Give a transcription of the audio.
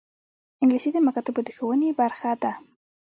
انګلیسي د مکاتبو د ښوونې برخه ده